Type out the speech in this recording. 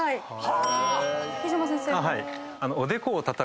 木島先生。